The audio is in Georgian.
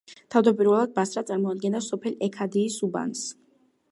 თავდაპირველად ბასრა წარმოადგენდა სოფელ ექადიის უბანს.